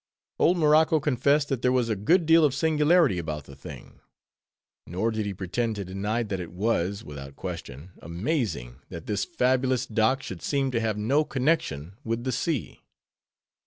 Old Morocco confessed that there was a good deal of "singularity" about the thing; nor did he pretend to deny that it was, without question, amazing, that this fabulous dock should seem to have no _connection with the sea!